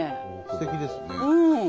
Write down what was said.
すてきですね。